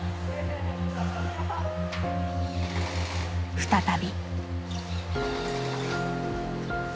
再び。